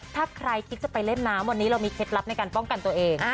ถ้าใครคิดจะไปเล่นน้ำวันนี้เรามีเคล็ดลับในการป้องกันตัวเอง